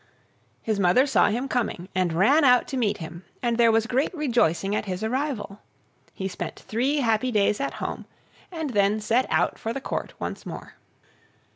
His mother saw him coming, and ran out to meet him, and there was great rejoicing at his arrival. He spent three happy days at home, and then set out for the Court once more.